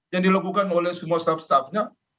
yang dilakukan oleh semua staff staffnya